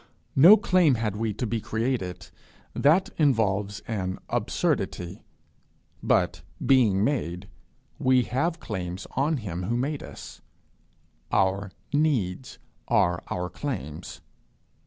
No claim had we to be created: that involves an absurdity; but, being made, we have claims on him who made us: our needs are our claims.